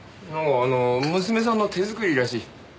なんか娘さんの手作りらしい。